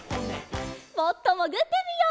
もっともぐってみよう。